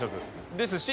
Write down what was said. ですし。